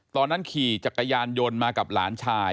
ตอนนั้นขี่จักรยานยนต์มากับหลานชาย